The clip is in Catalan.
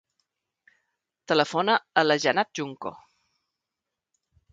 Telefona a la Janat Junco.